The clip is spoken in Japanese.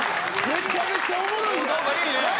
めちゃめちゃおもろいな。